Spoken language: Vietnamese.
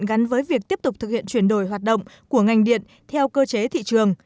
gắn với việc tiếp tục thực hiện chuyển đổi hoạt động của ngành điện theo cơ chế thị trường